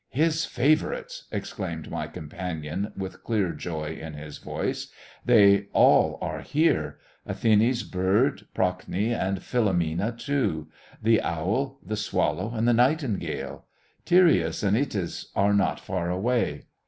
"His favourites!" exclaimed my companion with clear joy in his voice. "They all are here! Athene's bird, Procne and Philomela too! The owl the swallow and the nightingale! Tereus and Itys are not far away."